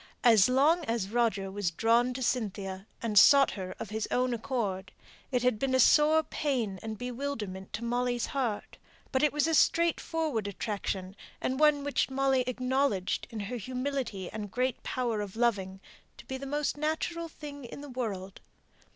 As long as Roger was drawn to Cynthia, and sought her of his own accord, it had been a sore pain and bewilderment to Molly's heart; but it was a straightforward attraction, and one which Molly acknowledged, in her humility and great power of loving, to be the most natural thing in the world.